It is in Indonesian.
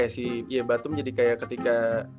si batum jadi kayak ketika